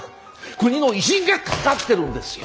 国の威信がかかってるんですよ！